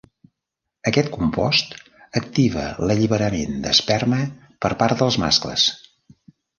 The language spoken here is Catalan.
Aquest compost activa l'alliberament d'esperma per part dels mascles.